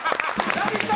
ラヴィット！